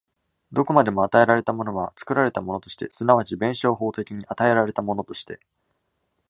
どこまでも与えられたものは作られたものとして、即ち弁証法的に与えられたものとして、